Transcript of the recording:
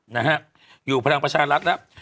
นะฮะอยู่พลังประชารัฐแล้ว